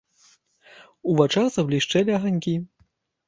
У вачах заблішчэлі аганькі.